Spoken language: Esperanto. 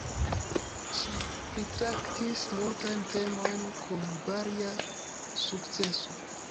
Ŝi pritraktis multajn temojn, kun varia sukceso.